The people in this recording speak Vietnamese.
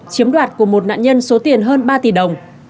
chiếm đoạt của một nạn nhân số tiền hơn ba tỷ đồng